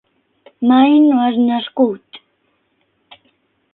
Mai no has nascut.